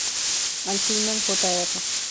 Al Freeman, Jr.